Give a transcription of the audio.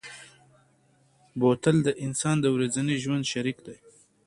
بوتل د انسان د ورځني ژوند شریک دی.